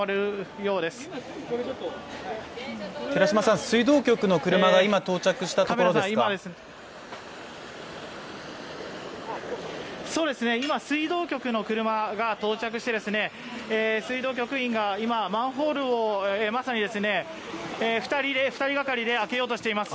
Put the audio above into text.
そうですね、今、水道局の車が到着して水道局員が今、マンホールをまさに２人がかりで開けようとしています